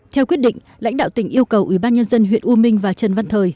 theo quyết định lãnh đạo tỉnh yêu cầu ủy ban nhân dân huyện u minh và trần văn thời